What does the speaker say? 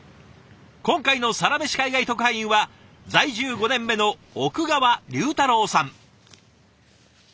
今回のサラメシ海外特派員は在住５年目の奥川龍太郎さん。